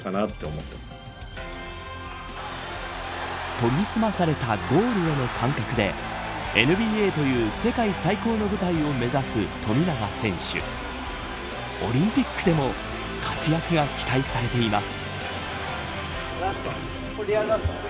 研ぎ澄まされたゴールへの感覚でＮＢＡという世界最高の舞台を目指す富永選手オリンピックでも活躍が期待されています。